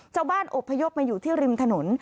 เจ้าบ้านอบพยบมาอยู่ที่ริมถนน